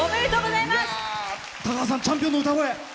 田川さんチャンピオンの歌声。